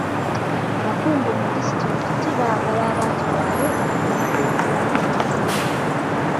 Abakungu mu disitulikiti baagala abantu baabwe bafune ebyobulamu ebisinga.